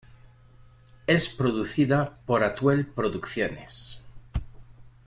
Es producida por Atuel Producciones.